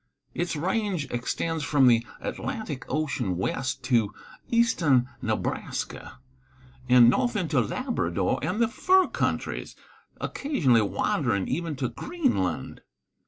Its range extends from the Atlantic ocean west to eastern Nebraska, and north into Labrador and the fur countries, occasionally wandering even to Greenland.